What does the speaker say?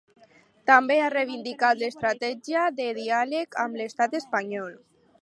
També ha reivindicat l’estratègia de diàleg amb l’estat espanyol.